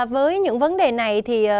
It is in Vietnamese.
với những vấn đề này